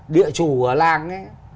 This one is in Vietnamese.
địa chủ ở làng ấy